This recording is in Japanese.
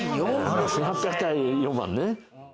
１８００対４万ね。